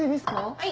はい。